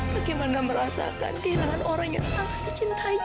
bagaimana merasakan kehilangan orang yang sangat dicintainya